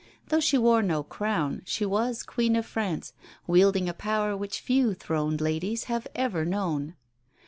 Though she wore no crown, she was Queen of France, wielding a power which few throned ladies have ever known.